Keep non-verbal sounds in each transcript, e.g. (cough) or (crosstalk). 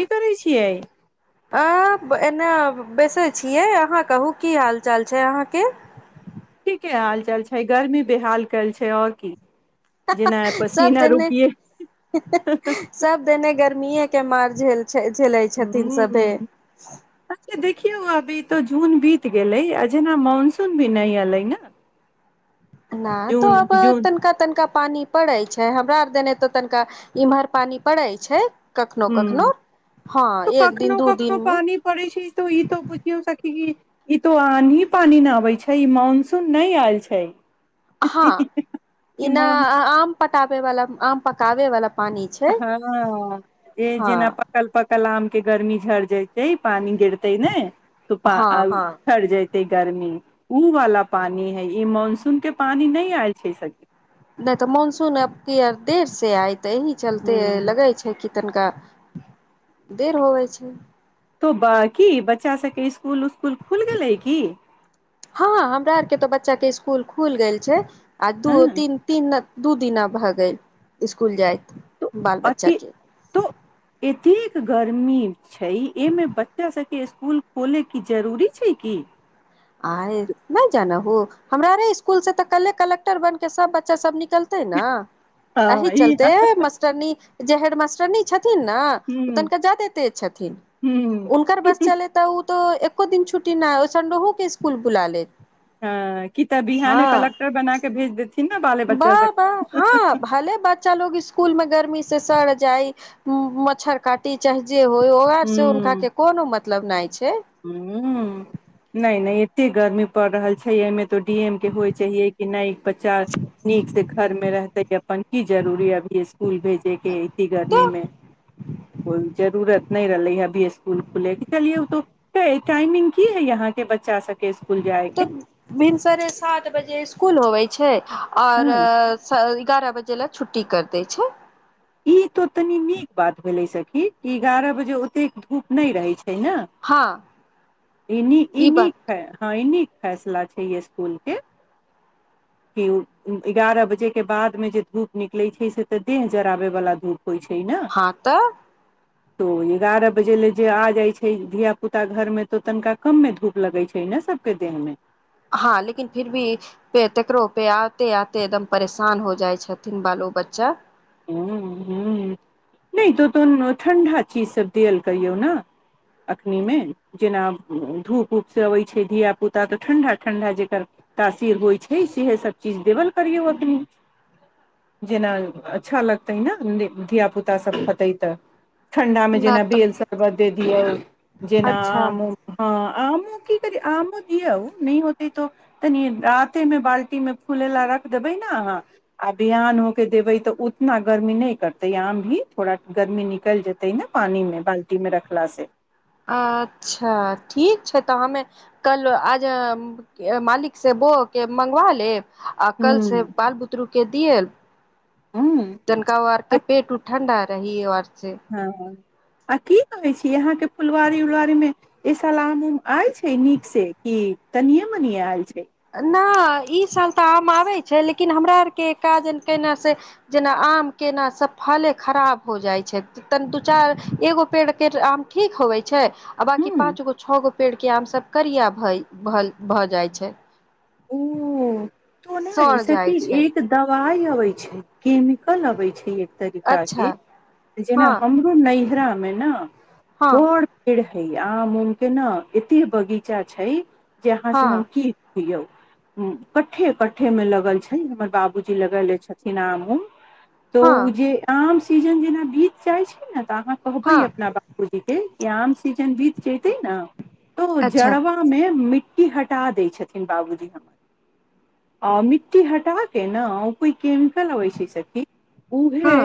की करै छियै एना बेैसै छियै अहाँ कहू की हाल चाल छै अहाँके ठीके के हालचाल छै गर्मी बेहाल कयल छै आओर की जेना सब पसीना देने रुकिये सब देने घर गर्मीए के मार झेल झेलै छथिन हूं सभे अच्छा देखियौ अभी तऽ जून बीत गेलै आ जेना मनसून भी नहि एलै ने न तो जून अब जून तनिका तनिका पानी पड़ैत छै हमरा आर देने तो तनिका इम्हर पानी पड़ैत छै कखनो हूं कखनो हँ तऽ एक दिन कखनो दू कखनो दिन मे पानी पड़े छै तऽ ई तऽ बुझियौ सखि की ई तो आनही पानि ने आबै छै ई मानसून नहि आयल छै हँ ई इना मान आम पटावे वला आम पकावे वला हँ ए हँ जेना पकल पकल आम के गर्मी झड़ जयते पानि हँ हँ (unintelligible) गर्मी ओ वाला पानी है ई मानसून के पानी नहि आयल छै सखि नहि तऽ मनसून आब किर देर से आइ तऽ एहिह चलते ह लगे छै कि तनिका देर होबै छै तो बकि बच्चा सबके स्कुल उस्कुल खुल गेलै की हँ ह हमरा आरके तऽ बच्चाक के इसकुल खुल गेल छै आ दू हँ तीन तीन दू दिना भ गेल स्कूल जाइत तो बाल बच्चा अति के तो एतेक गर गर्मी छै एहिमे बच्चा सबके स्कूल खोलैके जरूरी छै की आइ नहि जान हो हमरा ने स्कुल से तऽ कले कलेक्टर बन के सब बच्चा सब निकलते अही हँ ई चलते ह मटरनी जे हेडमटरनी छथिन न ओ तनका जादे तेज छथिन हुनकर ह बस चलै तऽ उ तऽ एको दिन छुटी नहि संडेहो के स्कूल बुला लेत हँ क तऽ बिहान हँ कलेक्टर बना के भेज देथि वाह वाह हँ भले बच्चा लोग स्कूल मे गर्मी से सड़ जाइ मच्छर काटी चाहे जे होय ओ अर से उनका के कोनो मतलब नहि छै ह नहि नहि एते गर्मी पड़ रहल छै एहिमे तो डी एम के होइ चाे कि नहि बच्चा नीक से घर मे रहते अपन की जरूरी अभी स्कुल भेजे के इ गर्मी तऽ मे कोइ जरूरत नहि रहले ह अभी स्कूल खुल चलिय टाइमिंग की यहाँ के बच्चा सब तब भिनसरे सात बजे स्कूल होवे छै आओर हँ एगारह बजे लए छुट्टी कर दै छै ई तो तनी निक बात भेले सखी ई एगारह बजे ओते धूप न रहे छै हँ ई नीक ई नीक है हँ ई नीक फैसला छै स्कुल के कि एगारह बजे के बादमे जे धूप निकलैत छै से तऽ देह जराबै वला धूप होइ छै ने हँ तऽ (unintelligible) एगारह बजे ले जे आ जाय छै धिया पुता घर मे तो तनिका कम मे धूप लगे छै ने सब के (unintelligible) हँ लेकिन फिर भीे पे तकरो पे आते आते एकदम परेशान हो जाइ छथिन बालो ओ बच्चा हू हू नहि तो तुनी ठण्डा चीज सब दल करहियो न एखनिमे जेना धूप उऊप से अबैत छै धियापुता तऽ ठंडा ठंडा जकर तासीर होइ छै सेह सब चीज देबल करियौ अखनी जेना अच्छा लगतै नऽ धिय पुता सब खतै तऽ ठंडा मे न जेना तऽ बेल शरबत दे दियो जेना अच्छा आम उम ह आमो की करी आमो दिया नइ होते तो तनी रते मे बाल्टी मे फूले ला रख देबै नऽ अहाँ आ बिहान होके देबै तऽ इना गर्मी नहि करतै आम भी थोड़ा गर्मी निकल जेतै ने पानी मे बाल्टी मे रखला से अच्छा ठीक छै तऽ हमे कल आज मालिक से बो के मंगवा ले आ हूँ कल से बाल बुतरू के दिये हूँ तनिकाआरके पेट उट ठण्डा रही और से हँ हँ आ की कहे छी यहाँ के फुलवारी उलवारी मे ए सला आम उम आय छै नीक से की तनियम मनिए आयल छै नइ ई साल तऽ आम आबै छै लेकिन हमरा आरके काजल केना से जेना आम केना से फले खराब हो जाय छै तनी दू चार एगो पेड़ के आम ठीक हो होय छै आ बाकी हँ पाँच गो छ गो पेड़ के आम सब करिया भऽ जाइ छै ओ तो ने सड़ सखी जाइ छै कि एक दवाइ अबै छै केमिकल अबै छै अच्छा एक जेना हँ हमरो नैहरा मे ने हँ बड़ पेड़ आम उमुमके न एते बगीचा छै जे अहाँ से हँ हम की यौ खे में लगल छै हमर बाबूजी लगेेले छथिन आम उम तऽ ओ हँ जे आम सीजन जेना बीत जाइत छै ने तऽ अहाँ कहबै हँ अपना बापूजीके य आम सीजन बीत जेते न त अच्छा जड़वा मे मिट्टी मिट्टी हटा दै छथिन बाबूजी हमर आ मिट्टी हटा के ने ओ कोइ केमिकल अबै छै सखी हँ उहे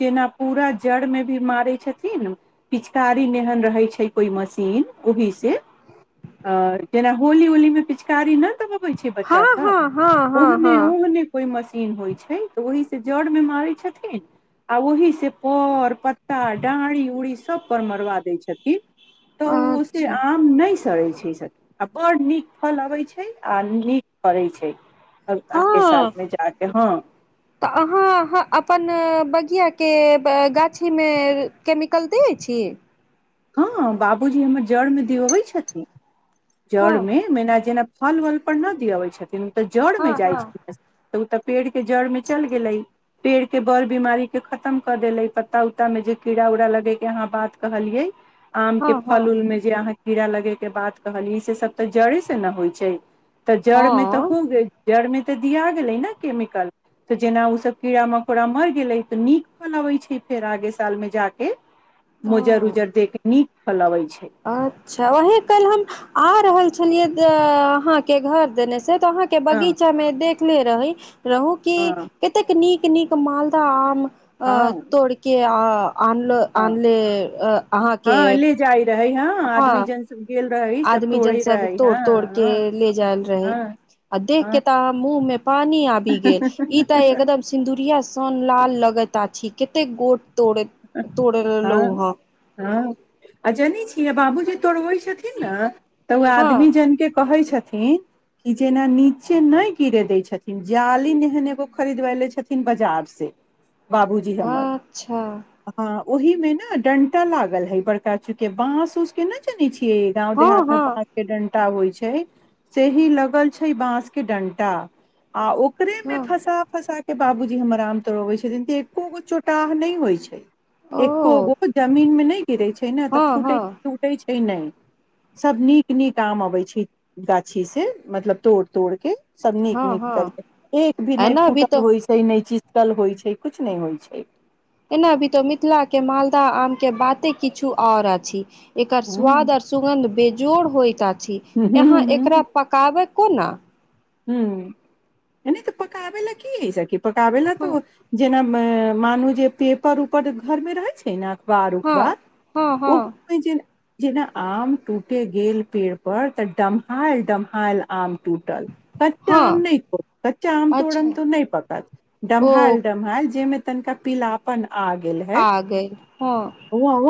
जेना पूरा जड़ में भी मारे छथिन पिचकारी नेहन रहे छै कोई मशीन ओहि से आ जेना होली ओलीमे पिचकारी नहि दबबै छै हँ बच्चा सब हँ हँ हँ ओहने हँ ओहने कोइ मशीन होइ छै तऽ ओहि से जड़मे मारै छथिन आ ओही से पर पत्ता डाँड़ी उड़ी सभपर मरवा दै छथिन तऽ ओ से अच्छा आम नहि चड़ै छै सभ आ बड्ड नीक फल अबैत छै आ नीक फड़ैत छै आगे हँ सालमे जाके हँ तऽ अहाँ अपन बगीआ के गाछी मे केमिकल दैत छी हँ बाबूजी हमर जड़मे दिऔबै छथिन हँ जड़मे मैना जेना फल वल पर नहि दअबै छथिन तऽ जड़ मे हँ जाइ हँ छथि तऽ ओ तऽ पेड़ के जड़ मे चलि गेलै पेड़ के बड़ बीमारी के खतम कऽ देले पत्ता उत्ता मे जे कीड़ा उड़ा लगे के अहाँ बात कहलियै आम के हँ हँ फल उल मे जे अहाँ कीड़ा लगे के बात कहलीै से सब तऽ जड़े से ने होइ छै तऽ जड़ मे हँ तऽ जड़ मे तऽ दिया गेले ने केमिकल तऽ जेना ओ सब कीड़ा मकोड़ा मरि गेलै तऽ नीक फल अबै छै फेर आगे साल में जााक मुजर हँ उजर देख के नीक फल अबै छै अच्छा वही कल हम आ रहल छलियै अहाँके घर देने से तो अहाँ के हँ बगीचा मे देखले रही रहु क हँ कतेक नीक नीक मालद आम अ हँ तोड़के आ आनलो हँ आनले अहाँके हँ ले जाइ रहै हँ आदमी जन सब गेल रहै सब आदमी जन तोड़े सब रहै तोड़ हँ तोड़ के हँ ले जायल रहै हँ अध देखके हँ तऽ मुँहमे पानी आबि गेल ई तऽ एकदम सिन्दुरिया सन लाल लगेता छी कते गोट तोड़े तोड़ल हँ हम हँ आ जनै छीय आ बाबूजी तोड़बै छथिन ने तऽ ओ हँ आदमी जानिके कहै छथिन की कि जेना नीचे नहि गिरे दय छथिन जाली एहन एगो खरीदब ले छथिन बाजार से (inaudible) हमर अच्छा ओहि मे ने डंटा लागल है बड़का बास उस के न जानै छी के गांव हँ देहात में हँ बाँस के डंटा होइ छै से ही लगल छै बाँस के डंटा आ ओकरे में हँ फँसा फँसाके हे बाबूजी हमर आम तोरबै छथिन त एको गो चोटाह नहि होइ छै ओ एकोगो जमीन मे नहि गिरै छै ने तऽ हँ फूटै हँ फूटै छै नहि सभ नीक नीक आम अबैत छै गाछीसँ मतलब तोड़ तोड़के सब नीक हँ निकतल हँ एक भी नहि एना फूटल तऽ होइ छै नहि चीज ल होइ छै कुछ नहि होइ छै एनाभी तऽ मिथिला के मालदह आम के बाते किछु आओर अछि एकर हूँ स्वाद र सुगंन्ध बेजोड़ होइत अछि हुँ, यहाँ एकरा पकाव कोना ह नहि तऽ पकाबै लए की हैय सखी पकाबै लए हँ तऽ जेना मानू जे पेपर उपर घरमे रहै छै ने वारू हँ वाह हँ हँ ओहो जेना आम टूटे गेल पेड़ पर तऽ डमहायल डमहायल आम टूटल कच्चा आम हँ नहि कच्चा आम तोड़मे अच्छा तऽ नहि पकत ओ डमहाल डमहाल जेहिमे तनिका पीलापन आ गेल हैय आ गेल हँ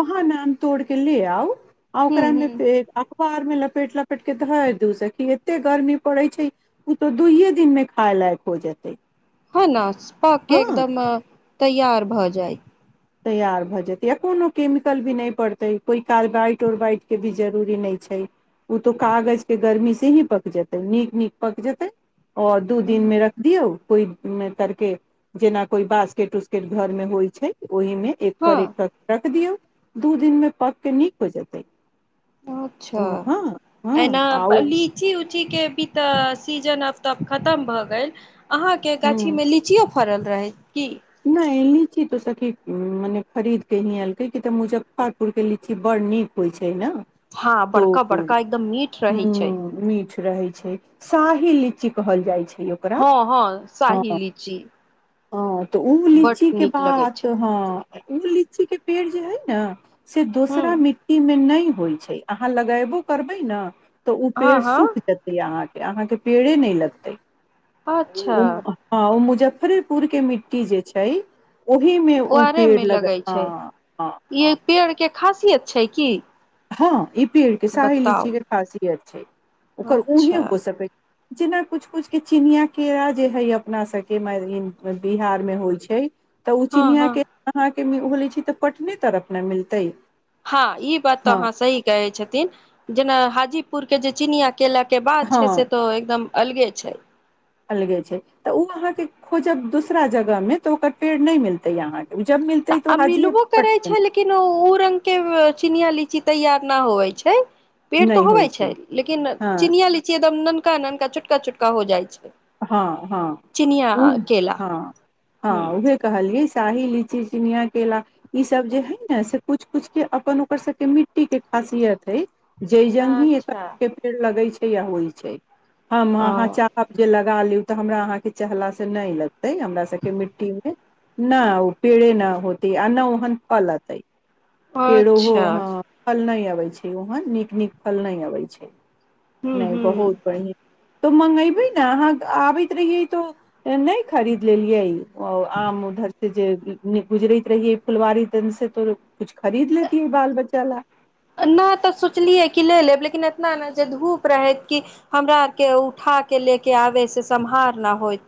हाँ नाम तोड़ के ले आउ आ हूँ ओकरा मे हूँ पुआर मे लपेट लपेट के ध दू सेखी एते गर्मी पड़े छै तो दुइये दिन मे खाय लायक हो जेतै ह न पक के हँ एकदम तैयार भऽ जाइ तैयार भऽ जेतै या कोनो केमिकल भी नहि पड़तै कोइ कार बाइट उर बाइटके भी जरूरी नहि छै ओ तऽ कागज के गर्मी से ही पक जेतै नीक नीक पक जेतै आओर दू दिन मे रख दियौ कोइ तर के जेना कोई बास्केट उस्केट घर में होइ छै ओहिमे एक पर हँ एक पक रख दियौ दू दिन मे पक के नीक हो जेतै अच्छा ओ हँ हँ एना आ ओ लीची उ ची के भी त सीजन आब तऽ खत्म भ गेल आहाॅं के गाछी ह मे लीचीओ फड़ल रहै कि नहि लीची तो सखी मने खरीद के ही एलकै क तऽ मुजफ्फरपुर के लीची बड़ नीक होइ छै हँ तो बड़का बड़का एकदम मीठ रहै छै ह्म मीठ रहै छै सा ही लीची कहल जाइ छै ओकरा हाँ हाँ साहिलीची ह तऽ ओ लीची के बात छै हाँ ओ लिची के पेड़ जे हय ने से हूँ दोसरा मिट्टीमे नहि होइत छै अहाँ लगयबो करबै ना तऽ ओ हँ पेड़ हँ सूख जेतै अहाँके अहाँके पेड़े नहि लगतै अच्छा हाँ ओ मुजफ्फरपुर के मिट्टी जे छै ओहिमे ओ ओआरे मे पेड़ लग लगै छै हाँ हाँ हाँ ई पेड़ के खासियत छै कि हाँ ई पेड़ के शाही लीची के खासियत छै ओकर ऊहे अच्छा हो सकै जेना कुछ कुछके चिनिया केरा जे हइ अपना सबके मानले बिहारमे होय छै तऽ ओ हँ हँ चिनियाँके अहाँके होलै छै तऽ पटने तरफ ने मिलतै हाँ ई बात तऽ हँ अहाँ सही कहै छथिन जेना हाजीपुर के जे चिनिया केला के बाद हँ छै से तो एकदम अलगे छै अलगे छै तऽ उ अहाँके खोजब दूसरा जगह मे तऽ ओकर पेड़ नहि मिलतै अहाँके जब त मिलतै तऽ आ हाजिए मिलबो पट करे छै लेकिन उ रंग के चिनिया लीच तैयार नहि होवे छै पेड़ तऽ नहि होवे होइ छै लेकिन हँ चिनिया लीची एकदम ननकी का ननका छोटका छोटका हो जाइ छै हाँ हाँ चिनिया उहे केला हाँ ह हाँ उहे कहलियए शाही लीची चिनिया केेला ई सब जे हय न से कुछ कुछ के अपन ओकर सब के मिट्टी के खा खासियत है जय जंग ही ए अच्छा के पेड़ लगे छै आ होइ छै हम अहाँ ओ चाहब जे लगा लियु तऽ हमरा अहाँके चहला से नहि लगते हमरा सबके मिट्टी मे न ओ पेड़ न होत अनहिओहन फल अतइ पेड़ो हो अच्छा हाँ फल नई अबै छै ओहन नीक नीक फल नहि अबै छै हूँ नहि हूँ बहुत बढ़िया तऽ मंगेबै ने अहाँ आबैत रहियै तो नहि खरीद लेलियै ओ आम उधर से जे गुजरैत रहियै फुलवारी दन से तो कुछ खरीद लेती है बाल बच्चा ले नहि तऽ सोचलियै कि ले लेब लेकिन एतना ने जे धूप रहैत कि हमरा आर के उठा के लेके आबे से समहार न होय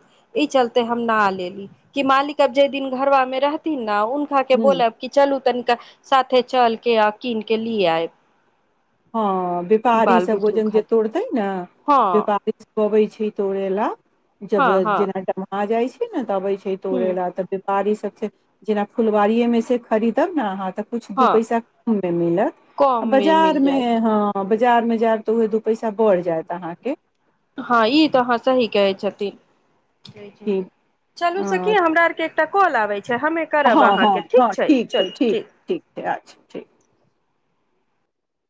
ई चलते हम नह ले ली कि मालिक अब जे दी घरबा मे रहथिन उनखा के हूँ बोलब कि चलू तनिका साथे चलके आ कीन लि आएब हाँ व्यापारीसब वजन जे खातिर तोड़तै ने हँ व्यापारी अबै छै तोड़े ला जब हँ हँ जेना टाइम आ जाइ छै ने तऽ अबे छै हूँ तोड़े ला तब बाड़ी सब से जेना फुलवारी मे से खरीदब ने अहाँ त कुछ दू हँ पैसा कम मे मिलत कम बाजार मिल मे जायत ह बजा जार मे जयब तऽ उहे दू पैसा बढ़ जायत अहाँके हाँ ई तऽ आहाँ सही कहै छथि ठीक अ, चलू सखी हमरा आर के एकटा कॉल आबै हमे करब हँ हँ अहाँके ठीक हँ छै चलू ठीक छै अच्छा ठीक